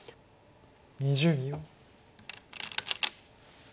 ２０秒。